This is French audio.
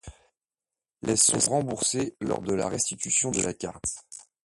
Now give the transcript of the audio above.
Les sont remboursés lors de la restitution de la carte.